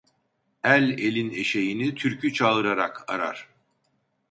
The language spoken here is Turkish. El elin eşeğini türkü çağırarak arar.